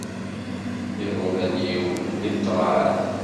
Iḍudan-iw i ṭṭrad.